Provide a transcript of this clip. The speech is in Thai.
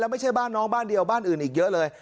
ไม่ใช่บ้านน้องบ้านเดียวบ้านอื่นอีกเยอะเลย